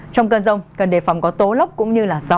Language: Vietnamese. trong cơn rông cần đề phòng có tố lóc cũng như là gió